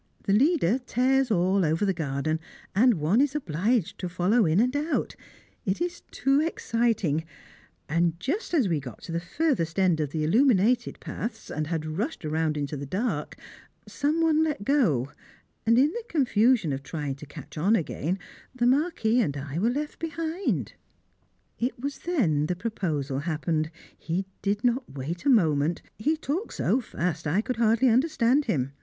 The leader tears all over the garden, and one is obliged to follow in and out. It is too exciting, and just as we got to the furthest end of the illuminated paths, and had rushed round into the dark, some one let go, and in the confusion of trying to catch on again, the Marquis and I were left behind. [Sidenote: To Elope with the Marquis] It was then the proposal happened, he did not wait a moment; he talked so fast I could hardly understand him.